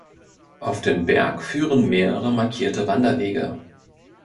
Auf den Berg führen mehrere markierte Wanderwege.